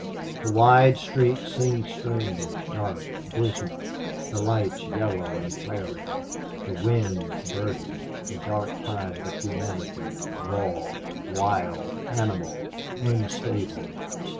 The wide street seemed strange, dark, dismal, the lights yellow and flaring, the wind burdened, the dark tide of humanity raw, wild animal, unstable.